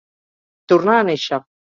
Tornar a néixer.